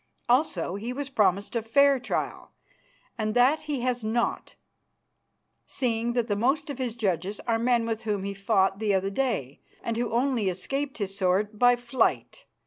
Also he was promised a fair trial, and that he has not, seeing that the most of his judges are men with whom he fought the other day and who only escaped his sword by flight.